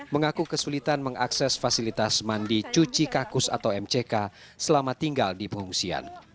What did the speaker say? mengaku kesulitan mengakses fasilitas mandi cuci kakus atau mck selama tinggal di pengungsian